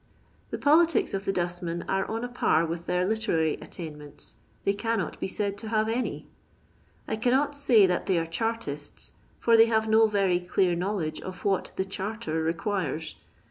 The politics of the dostmen are on a par with their literary attainments — they cannot be said to haTe any. I cannot say that they are ChartisU, for they have no very dear know ledge of what "the charter" requires.